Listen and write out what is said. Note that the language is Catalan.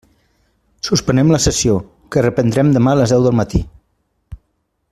Suspenem la sessió, que reprendrem demà a les deu del matí.